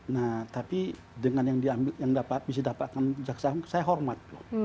nah tapi dengan yang bisa dapatkan jaksa saya hormat